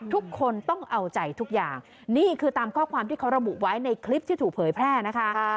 ทุกคนต้องเอาใจทุกอย่างนี่คือตามข้อความที่เขาระบุไว้ในคลิปที่ถูกเผยแพร่นะคะ